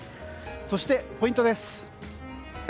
そして、ポイントです。